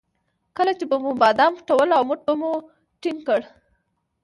کله چې به مو بادام پټول او موټ به مو ټینګ کړ.